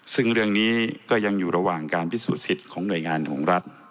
ซึ่งเรื่องนี้ก็ยังอยู่ระหว่างการพิสูจนสิทธิ์ของหน่วยงานของรัฐ